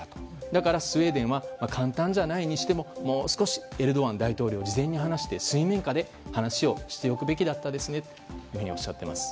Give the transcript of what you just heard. だからスウェーデンは簡単じゃないにしてももう少しエルドアン大統領と事前に話して水面下で話をしておくべきだったですねとおっしゃっています。